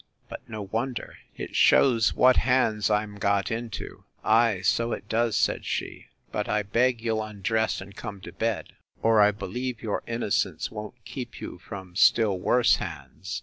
But no wonder!—It shews what hands I'm got into!—Ay, so it does, said she; but I beg you'll undress, and come to bed, or I believe your innocence won't keep you from still worse hands.